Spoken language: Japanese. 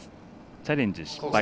チャレンジ失敗。